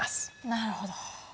なるほど。